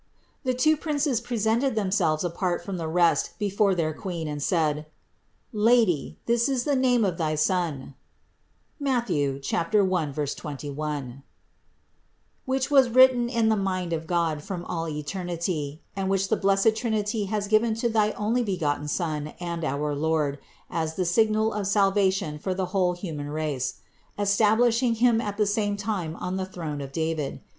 524. The two princes presented themselves apart from the rest before their Queen and said: "Lady, this is the name of thy Son (Matth. 1, 21), which was written in the mind of God from all eternity and which the blessed Trinity has given to thy Onlybegotten Son and our Lord as the signal of salvation for the whole human race; establishing Him at the same time on the throne of David.